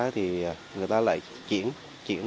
thì người ta lại chuyển